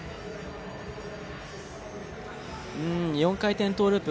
４回転トーループ